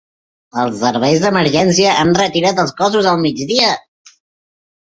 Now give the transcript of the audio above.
Els serveis d’emergència han retirat els cossos al migdia.